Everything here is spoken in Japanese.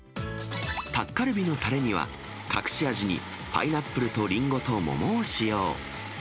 タッカルビのたれには、隠し味にパイナップルとリンゴと桃を使用。